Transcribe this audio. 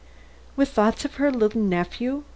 "With thoughts of her little nephew?"